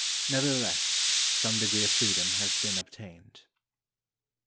Nevertheless, some degree of freedom has been ob tained.